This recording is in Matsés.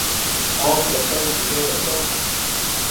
onquetempi beccho